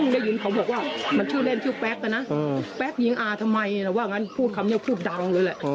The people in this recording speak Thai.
ได้ยินเขาบอกว่ามันชื่อเล่นชื่อแป๊กนะนะแป๊กยิงอาทำไมว่างั้นพูดคำนี้พูดดังเลยแหละ